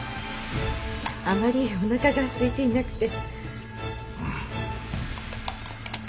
あまりおなかがすいていなくて。